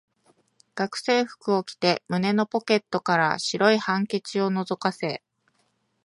学生服を着て、胸のポケットから白いハンケチを覗かせ、